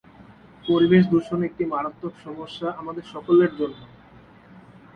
পরিবেশ দূষণ একটি মারাত্মক সমস্যা আমাদের সকলের জন্য।